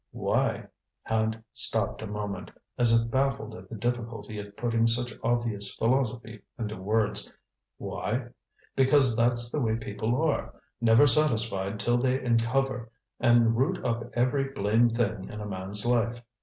"Why?" Hand stopped a moment, as if baffled at the difficulty of putting such obvious philosophy into words. "Why? Because that's the way people are never satisfied till they uncover and root up every blamed thing in a man's life.